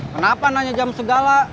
kenapa nanya jam segala